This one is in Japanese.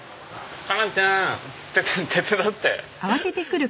佳奈ちゃん手伝って。